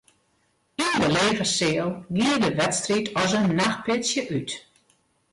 Yn de lege seal gie de wedstriid as in nachtpitsje út.